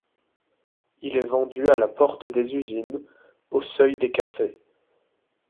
Il est vendu à la porte des usines, au seuil des cafés.